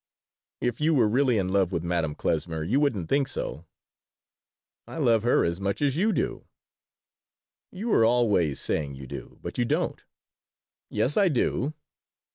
"If you were really in love with Madame Klesmer you wouldn't think so "I love her as much as you do." "You are always saying you do, but you don't." "Yes, I do."